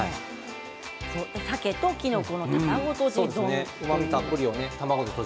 さけときのこの卵とじです。